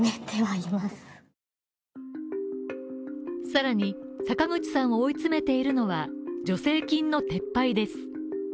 さらに、坂口さんを追い詰めているのは、助成金の撤廃です。